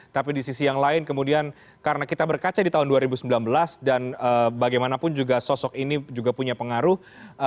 tapi di sisi yang lain kemudian karena kita berkaca di tahun dua ribu sembilan belas dan bagaimanapun juga sosok ini juga punya pengaruh